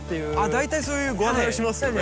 大体そういうご案内をしますよね。